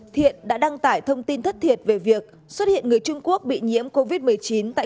thiện đã đăng tải thông tin thất thiệt về việc xuất hiện người trung quốc bị nhiễm covid một mươi chín tại